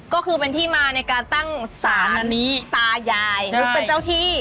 ก็คือเป็นที่มาในการตั้งสารตายายเป็นเจ้าที่